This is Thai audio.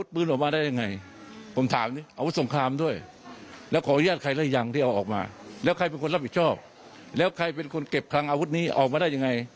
ไปทำร้ายประชาชนเนอะเอง